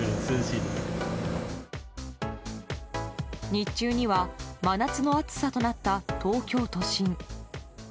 日中には真夏の暑さとなった東京都心。